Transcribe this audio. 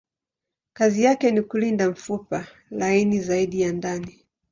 Kazi yake ni kulinda mfupa laini zaidi ya ndani.